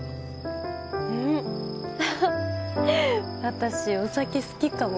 私お酒好きかも。